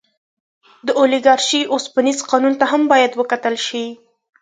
د اولیګارشۍ اوسپنیز قانون ته هم باید وکتل شي.